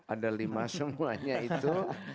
ada lima semuanya itu